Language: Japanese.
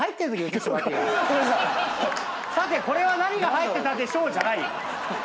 さてこれは何が入ってたでしょう？じゃない。